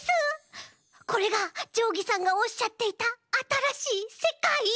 これがじょうぎさんがおっしゃっていたあたらしいせかい。